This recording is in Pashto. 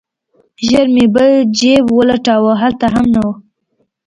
ژر مې بل جيب ولټاوه هلته هم نه و.